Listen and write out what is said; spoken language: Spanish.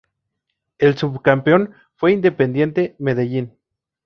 El subcampeón fue Independiente Medellín.